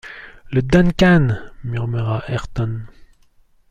Le Duncan ! murmura Ayrton.